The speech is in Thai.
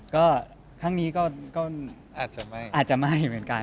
ก็ครั้งนี้ก็อาจจะไม่เหมือนกัน